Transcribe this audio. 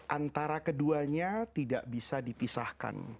antara keduanya tidak bisa dipisahkan